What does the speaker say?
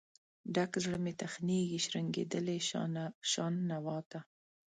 ډک زړه مې تخنیږي، شرنګیدلې شان نوا ته